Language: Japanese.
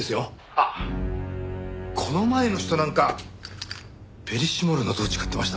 あっこの前の人なんかベリッシモールのトーチ買ってました。